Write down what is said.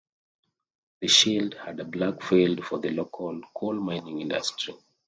The shield had a black field for the local coal-mining industry.